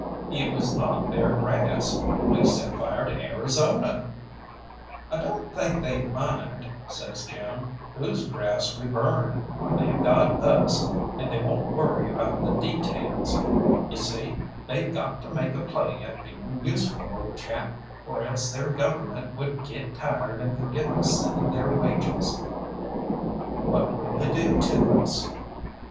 "It was not their grass we set fire to Arizona." "I don't think they mind," says Jim, "whose grass we burned. They've got us, and they won't worry about the details. You see, they've got to make a play at being useful, old chap, or else their Government would get tired and forget to send their wages." "What will they do to us?"